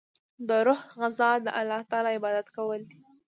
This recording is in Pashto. د روح غذا د الله تعالی عبادت کول دی.